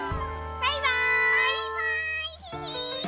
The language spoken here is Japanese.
バイバーイ！